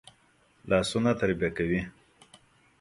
لاسونه تربیه کوي